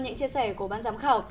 những chia sẻ của bán giám khảo